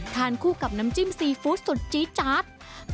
ทานคู่กับน้ำจิ้มซีฟู้ดสุดจี๊จาด